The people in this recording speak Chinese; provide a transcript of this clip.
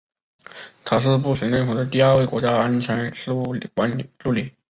他是布什政府的第二位国家安全事务助理。